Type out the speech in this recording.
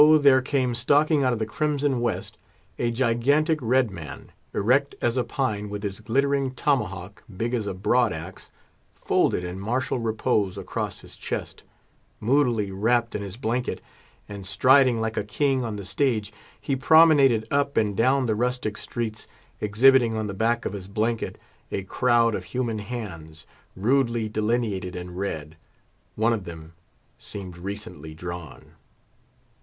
there came stalking out of the crimson West a gigantic red man, erect as a pine, with his glittering tomahawk, big as a broad ax, folded in martial repose across his chest, Moodily wrapped in his blanket, and striding like a king on the stage, he promenaded up and down the rustic streets, exhibiting on the back of his blanket a crowd of human hands, rudely delineated in red; one of them seemed recently drawn.